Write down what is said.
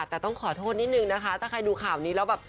แต่ต้องขอโทษนิดนึงนะคะถ้าใครดูข่าวนี้แล้วแบบ